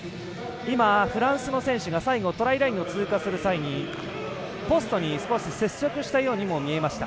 フランスの選手がトライラインを通過する際にポストに少し接触したようにも見えました。